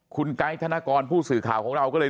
คุณไกด์ธนกรผู้สื่อข่าวของเราก็เลย